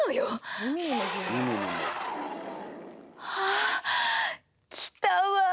・あ来たわ！